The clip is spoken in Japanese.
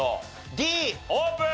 Ｄオープン！